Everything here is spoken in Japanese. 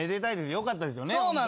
よかったですよね。